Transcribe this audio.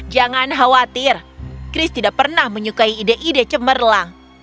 jangan khawatir chris tidak pernah menyukai ide ide cemerlang